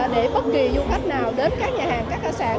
để bất kỳ du khách nào đến các nhà hàng cá sạn